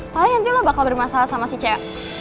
paling nanti lo bakal bermasalah sama si cewek